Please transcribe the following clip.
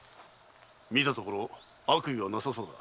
見たところ悪意はなさそうだ。